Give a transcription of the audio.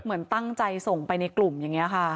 เหมือนตั้งใจส่งไปในกลุ่มอย่างนี้ค่ะ